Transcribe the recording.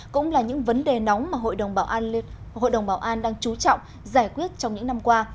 cũng là những vấn đề nóng mà hội đồng bảo an đang trú trọng giải quyết trong những năm qua